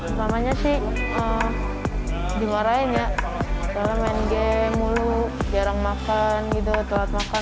pernah pernahannya sih dimarahin ya karena main game mulu jarang makan gitu telat makan